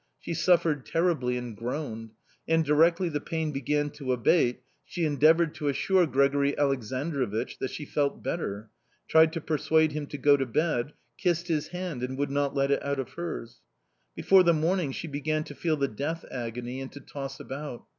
She suffered terribly, and groaned; and directly the pain began to abate she endeavoured to assure Grigori Aleksandrovich that she felt better, tried to persuade him to go to bed, kissed his hand and would not let it out of hers. Before the morning she began to feel the death agony and to toss about.